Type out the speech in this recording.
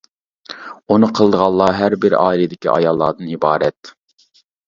ئۇنى قىلىدىغانلار ھەر بىر ئائىلىدىكى ئاياللاردىن ئىبارەت.